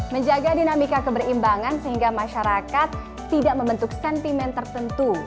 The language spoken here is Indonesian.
menjaga dinamika keberimbangan sehingga masyarakat tidak membentuk sentimen tertentu